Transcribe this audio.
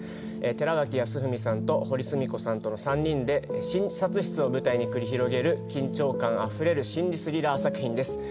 寺脇康文さんとほりすみこさんとの３人で診察室を舞台に繰り広げる緊張感あふれる心理スリラー作品です